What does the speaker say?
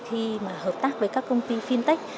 khi mà hợp tác với các công ty fintech